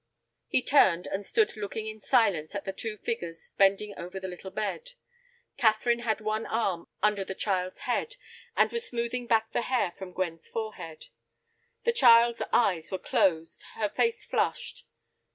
He turned, and stood looking in silence at the two figures bending over the little bed. Catherine had one arm under the child's head, and was smoothing back the hair from Gwen's forehead. The child's eyes were closed, her face flushed.